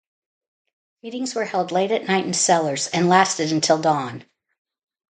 Meetings were held late at night in cellars, and lasted until dawn.